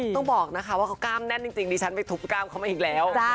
ต้องบอกนะคะว่าเขากล้ามแน่นจริงดิฉันไปทุบกล้ามเขามาอีกแล้ว